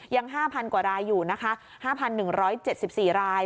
ยัง๕๐๐กว่ารายอยู่นะคะ๕๑๗๔ราย